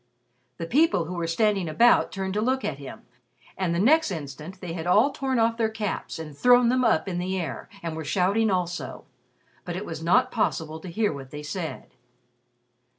The people who were standing about turned to look at him, and the next instant they had all torn off their caps and thrown them up in the air and were shouting also. But it was not possible to hear what they said.